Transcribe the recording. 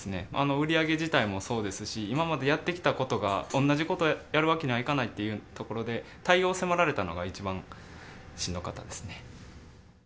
売り上げ自体もそうですし、今までやってきたことが同じことやるわけにはいかないってところで、対応を迫られたのが一番しんどかったですね。